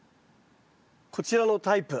こちらのタイプ。